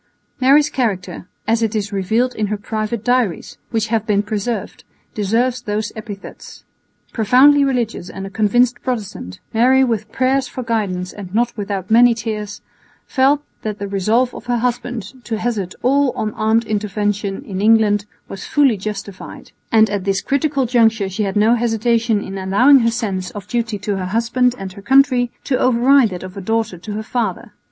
Mary's character, as it is revealed in her private diaries, which have been preserved, deserves those epithets. Profoundly religious and a convinced Protestant, Mary with prayers for guidance and not without many tears felt that the resolve of her husband to hazard all on armed intervention in England was fully justified; and at this critical juncture she had no hesitation in allowing her sense of duty to her husband and her country to override that of a daughter to her father.